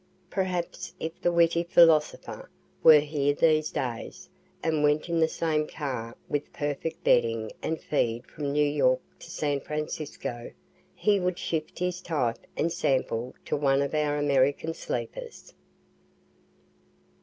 Perhaps if the witty philosopher were here these days, and went in the same car with perfect bedding and feed from New York to San Francisco, he would shift his type and sample to one of our American sleepers.)